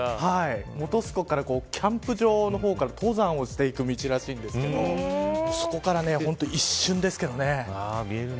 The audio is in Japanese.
本栖湖から、キャンプ場の方から登山をしていく道らしいんですけどそこから一瞬ですけどね。